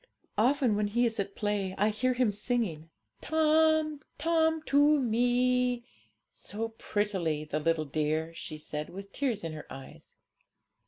Often when he is at play I hear him singing, "Tome, tome, to Me," so prettily, the little dear!' she said, with tears in her eyes.